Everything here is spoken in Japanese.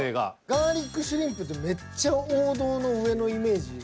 ガーリックシュリンプってめっちゃ王道の上のイメージ。